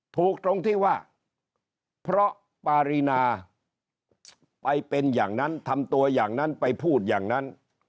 ตรงที่ว่าเพราะปารีนาไปเป็นอย่างนั้นทำตัวอย่างนั้นไปพูดอย่างนั้น